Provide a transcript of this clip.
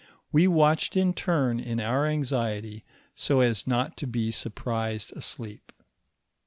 We watched in turn in our anxiety so as not to be surprised asleep.